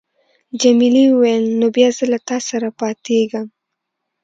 جميلې وويل: نو بیا زه له تا سره پاتېږم.